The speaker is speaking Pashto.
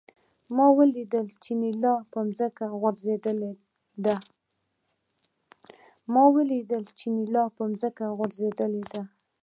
ما ولیدل چې انیلا په ځمکه غورځېدلې ده